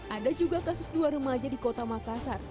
ada juga kasus dua remaja di kota makassar